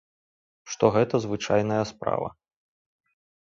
Што гэта звычайная справа.